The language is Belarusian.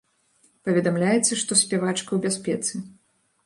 Паведамляецца, што спявачка ў бяспецы.